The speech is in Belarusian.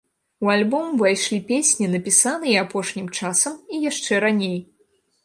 У альбом увайшлі песні, напісаныя апошнім часам і яшчэ раней.